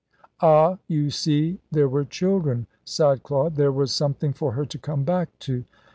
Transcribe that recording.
"Ah, you see there were children," sighed Claude. "There was something for her to come back to."